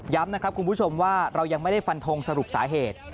นะครับคุณผู้ชมว่าเรายังไม่ได้ฟันทงสรุปสาเหตุ